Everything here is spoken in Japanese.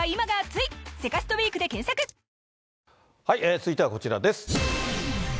続いてはこちらです。